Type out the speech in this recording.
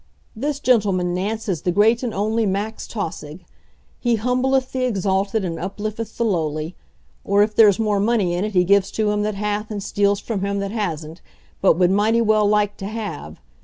This gentleman, Nance, is the great and only Max Tausig. He humbleth the exalted and uplifteth the lowly or, if there's more money in it, he gives to him that hath and steals from him that hasn't, but would mighty well like to have.